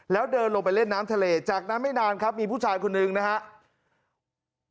แล้วเดินลงไปเล่นน้ำทะเลจากนั้นไม่นานครับมีผู้ชายคนหนึ่งนะครับ